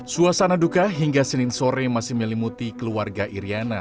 suasana duka hingga senin sore masih melimuti keluarga iryana